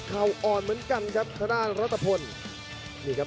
เข่าอ่อนเหมือนกันครับทะด้านรัฐพนธ์